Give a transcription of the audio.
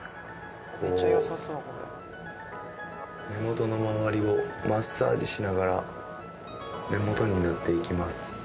こう目元の周りをマッサージしながら目元に塗って行きます。